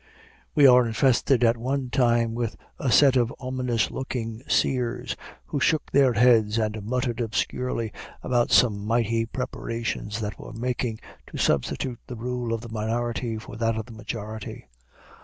We were infested at one time with a set of ominous looking seers, who shook their heads and muttered obscurely about some mighty preparations that were making to substitute the rule of the minority for that of the majority.